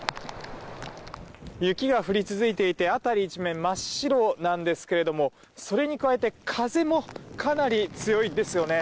雪が降り続いていて辺り一面、真っ白なんですがそれに加えて風もかなり強いんですよね。